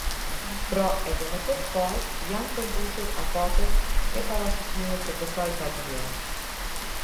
Pra edhe në këtë fazë janë përmbushur afatet e parashkrimit të kësaj padie.